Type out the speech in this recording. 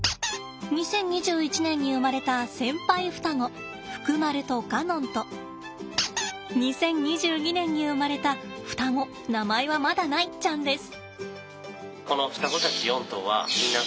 ２０２１年に生まれた先輩双子フクマルとカノンと２０２２年に生まれた双子名前はまだないちゃんです。